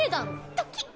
ドキッ！